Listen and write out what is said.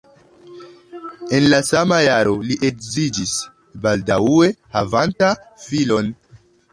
En la sama jaro li edziĝis, baldaŭe havanta filon.